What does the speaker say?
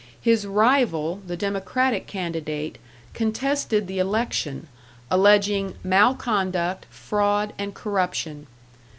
His rival, the Democratic candidate, contested the election, alleging "malconduct, fraud and corruption."